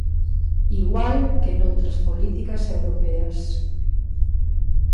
Igual que noutras políticas europeas.